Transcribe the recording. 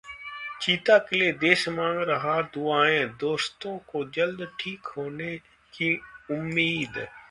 'चीता' के लिए देश मांग रहा दुआएं, दोस्तों को जल्द ठीक होने की उम्मीद